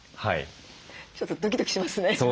ちょっとドキドキしますね。